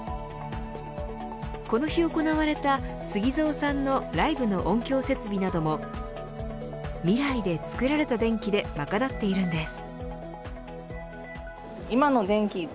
この日行われたＳＵＧＩＺＯさんのライブの音響設備などもＭＩＲＡＩで作られた電気で賄っているんです。